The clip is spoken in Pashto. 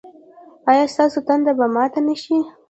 ایا ستاسو تنده به ماته نه شي؟